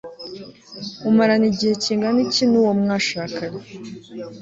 umarana igihe kingana iki nuwo mwashakanye